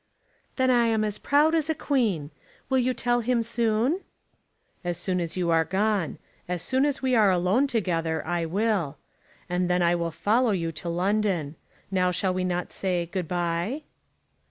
"Then I am as proud as a queen. You will tell him soon?" "As soon as you are gone. As soon as we are alone together. I will; and then I will follow you to London. Now shall we not say, Good bye?"